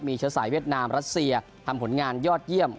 เชื้อสายเวียดนามรัสเซียทำผลงานยอดเยี่ยม